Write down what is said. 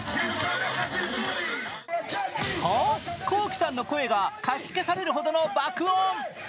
と、ＫＯＫＩさんの声がかき消されるほどの爆音。